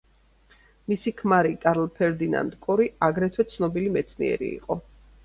მისი ქმარი, კარლ ფერდინანდ კორი, აგრეთვე ცნობილი მეცნიერი იყო.